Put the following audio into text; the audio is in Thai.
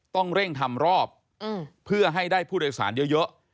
ต้องเร่งทำรอบเพื่อให้ได้ผู้โดยสารเยอะ